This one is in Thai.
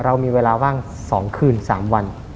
เรามีเวลาว่าง๒คืน๓วัน